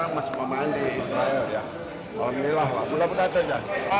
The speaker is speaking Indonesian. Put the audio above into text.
ini pilihan yang menyalahkan